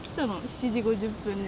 ７時５０分に。